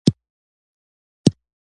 چې يې يون په دا طريق وي هغه کس دئ اوليا